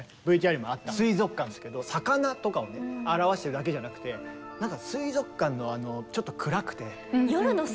ＶＴＲにもあった「水族館」ですけど魚とかをね表しているだけじゃなくてなんか水族館のちょっと暗くて。